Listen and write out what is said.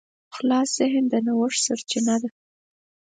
خلاص ذهن د نوښت سرچینه ده.